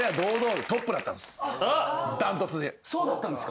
断トツで！